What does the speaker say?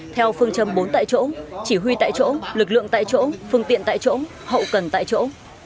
theo phương châm bốn tại chỗ chỉ huy tại chỗ lực lượng tại chỗ phương tiện tại chỗ hậu cần tại chỗ